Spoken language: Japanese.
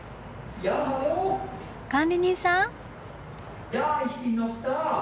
管理人さん？